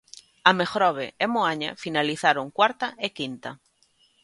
Amegrove e Moaña finalizaron cuarta e quinta.